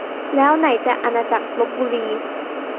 แล้วไหนจะอาณาจักรลพบุรี